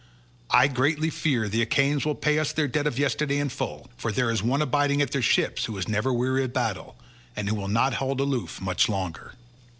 I greatly fear that the Achaeans will pay us their debt of yesterday in full, for there is one abiding at their ships who is never weary of battle, and who will not hold aloof much longer."